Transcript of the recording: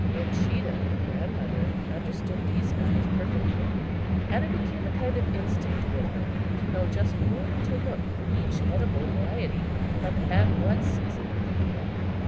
Uncheedah (grandmother) understood these matters perfectly, and it became a kind of instinct with her to know just where to look for each edible variety and at what season of the year.